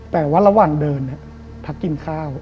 แต่ว่าระหว่างเดินพักกินข้าว